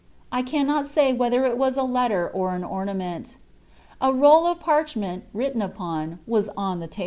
I cannot say whether it was a letter or an ornament. A roll of parch ment, written upon, was on the table.